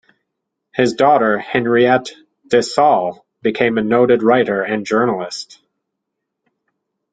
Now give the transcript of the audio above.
His daughter Henriette Dessaulles became a noted writer and journalist.